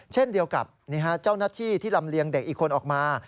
เช่นเดียวกับเจ้าหน้าที่ที่ลำเลียงเด็กอีกคนออกมา